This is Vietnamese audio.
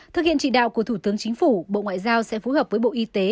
thực hiện trị đạo của thủ tướng chính phủ bộ ngoại giao sẽ phối hợp với bộ y tế